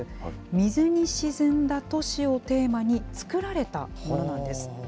水に沈んだ都市をテーマに作られたものなんです。